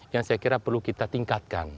yang saya kira perlu kita tingkatkan